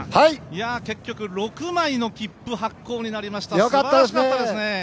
結局、６枚の切符発行になりましたすばらしかったですね。